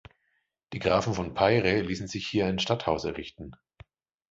Die Grafen von Peyre ließen sich hier ein Stadthaus errichten.